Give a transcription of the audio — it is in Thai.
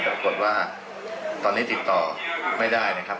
ปรากฏว่าตอนนี้ติดต่อไม่ได้นะครับ